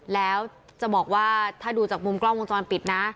แล้วจะบอกว่าถ้าดูจากมุมกล้องวงจรปิดนะ